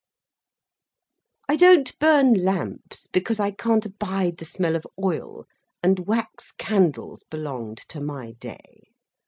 I don't burn lamps, because I can't abide the smell of oil, and wax candles belonged to my day.